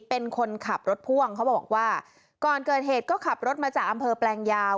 เป็นคนขับรถพ่วงเขาบอกว่าก่อนเกิดเหตุก็ขับรถมาจากอำเภอแปลงยาว